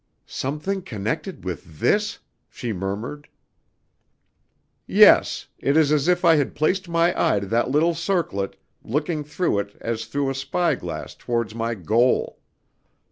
"Something connected with this!" she murmured. "Yes. It is as if I had placed my eye to that little circlet, looking through it as through a spyglass towards my goal.